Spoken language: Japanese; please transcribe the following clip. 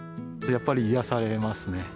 やっぱり、癒やされますね。